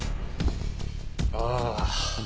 ああ。